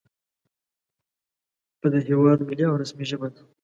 په د هېواد ملي او رسمي ژبه ده